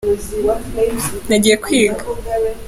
nagiye kwiga.